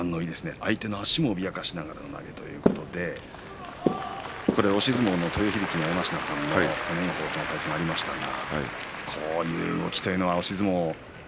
相手の足も脅かしながらということで押し相撲の豊響の山科さんも炎鵬と対戦がありましたがこういう動きというのは押し相撲。